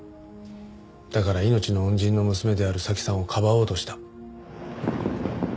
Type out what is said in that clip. だから命の恩人の娘である早紀さんをかばおうとした。